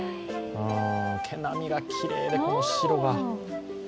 毛並みがきれいでこの白が。